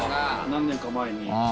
何年か前に。